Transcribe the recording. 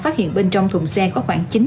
phát hiện bên trong thùng xe có khoảng